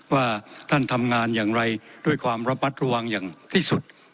ว่าท่านทำงานอย่างไรด้วยความระมัดระวังอย่างที่สุด